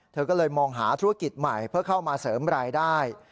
เธอก็เลยมองหาธุรกิจใหม่เพื่อเข้ามาเสริมรายได้